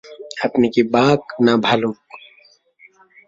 আপনি কি বাঘ না ভালুক?